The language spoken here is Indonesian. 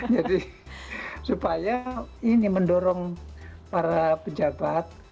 jadi supaya ini mendorong para pejabat